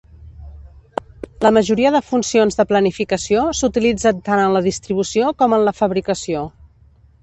La majoria de funcions de planificació s'utilitzen tant en la distribució com en la fabricació.